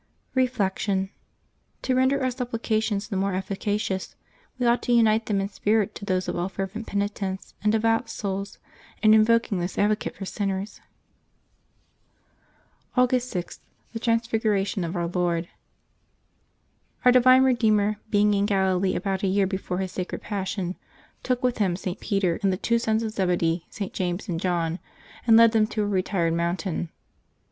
Reflection. — To render our supplications the more efii cacious, we ought to unite them in spirit to those of all fervent penitents and devout souls, in invoking this ad vocate for sinners. August 6] LIVES OF THE SAINTS 273 August 6.— THE TRANSFIGURATION OF OUR LORD. OUR divine Eedeemer, being in Galilee about a year before His sacred Passion, took with Him St. Peter and the two sons of Zebedee, Sts. James and John, and led them to a retired mountain.